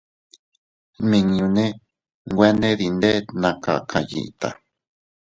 Nmiñune nwene dindet naa kakayiʼta.